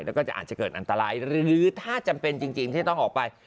แล้วก็จะอาจจะเกิดอันตรายหรือถ้าจำเป็นจริงที่จะต้องออกไป